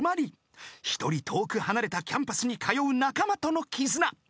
［一人遠く離れたキャンパスに通う仲間との絆］